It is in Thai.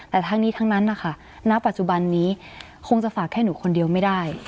แต่ทั้งนี้ทั้งนั้นนะคะณปัจจุบันนี้คงจะฝากแค่หนูคนเดียวไม่ได้